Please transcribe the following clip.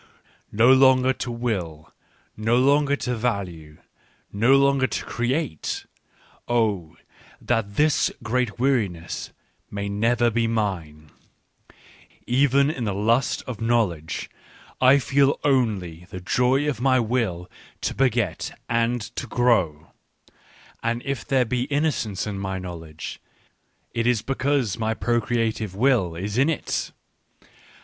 "No longer to will, no longer to value, no longer to create ! Oh, that this great weariness may never be mine !" Even in the lust of knowledge, I feel only the joy of my will to beget and to grow ; and if there be innocence in my knowledge, it is because my procreative will is in it.